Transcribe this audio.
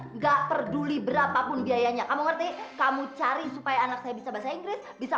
enggak peduli berapapun biayanya kamu ngerti kamu cari supaya anak saya bisa bahasa inggris bisa